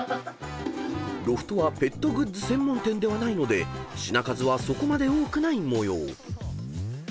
［ロフトはペットグッズ専門店ではないので品数はそこまで多くない模様］